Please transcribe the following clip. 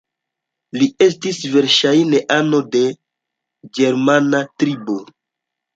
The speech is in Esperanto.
Li estis verŝajne ano de ĝermana tribo.